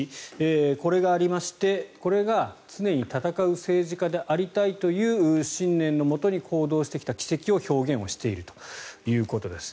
これがありまして、これが常に闘う政治家でありたいという信念のもとに行動してきた軌跡を表現しているということです。